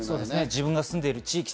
自分が住んでいる地域、